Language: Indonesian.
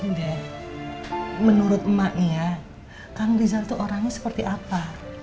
gede menurut emaknya kang rizal tuh orangnya seperti apa